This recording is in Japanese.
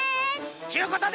ちゅうことで！